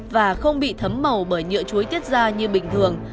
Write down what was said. và không bị thấm màu bởi nhựa chuối tiết ra như bình thường